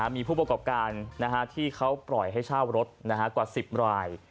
มีผู้ประกอบการที่เขาปล่อยให้เช่ารถกว่า๑๐ราย